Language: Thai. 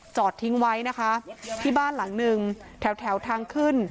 จอดทิ้งไว้นะคะที่บ้านหลังหนึ่งแถวแถวทางขึ้น